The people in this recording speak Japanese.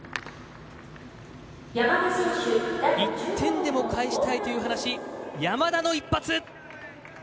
１点でも返したいという話山田の１発。